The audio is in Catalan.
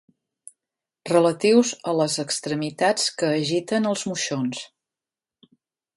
Relatius a les extremitats que agiten els moixons.